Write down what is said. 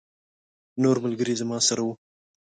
نور ملګري زما سره وو.